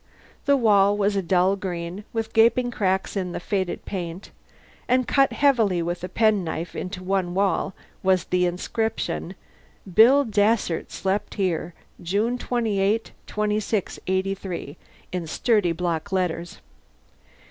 The wall was a dull green, with gaping cracks in the faded paint, and cut heavily with a penknife into one wall was the inscription, BILL DANSERT SLEPT HERE, June 28 2683 in sturdy block letters.